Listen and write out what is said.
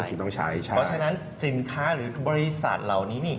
เพราะฉะนั้นสินค้าหรือบริษัทเหล่านี้